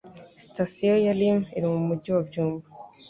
Sitasiyo ya Lime iri Mumujyi wa byumba